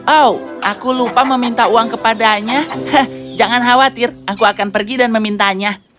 oh aku lupa meminta uang kepadanya jangan khawatir aku akan pergi dan memintanya